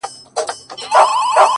بیگا مي خوب لیده مسجد را نړومه ځمه-